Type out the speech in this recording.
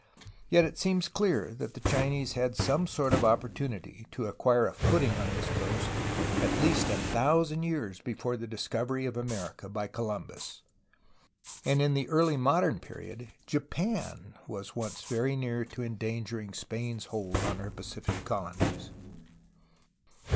Yet it seems clear that the Chinese had some sort of opportunity to acquire a footing on this coast at least a thousand years before the discovery of America by Colum bus. And in the early modern period Japan was once very near to endangering Spain's hold on her Pacific colonies.